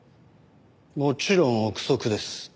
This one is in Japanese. もちろん臆測です。